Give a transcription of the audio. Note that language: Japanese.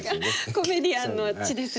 コメディアンの血ですね。